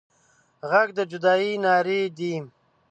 غږ د جدايي نارې دي